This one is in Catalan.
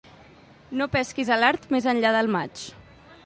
No pesquis a l'art més enllà del maig.